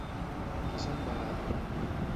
Qui se'n va adonar?